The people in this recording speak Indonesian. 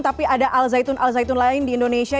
tapi ada al zaitun al zaitun lain di indonesia